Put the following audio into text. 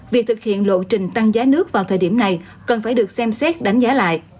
việc thực hiện lộ trình tăng giá nước vào thời điểm này cần phải được xem xét đánh giá lại